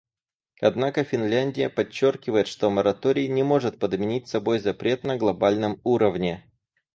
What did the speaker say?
Однако Финляндия подчеркивает, что мораторий не может подменить собой запрет на глобальном уровне.